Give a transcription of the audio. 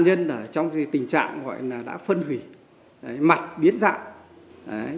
cá nhân ở trong tình trạng gọi là đã phân hủy mặt biến dạng